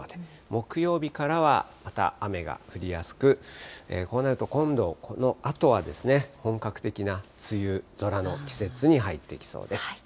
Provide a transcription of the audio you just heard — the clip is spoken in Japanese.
木曜日からはまた雨が降りやすく、こうなると今度、このあとは本格的な梅雨空の季節に入っていきそうです。